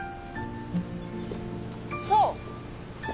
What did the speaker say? そう。